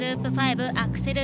５アクセル